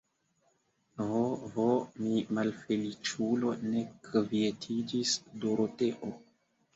Ho, ho, mi, malfeliĉulo, ne kvietiĝis Doroteo.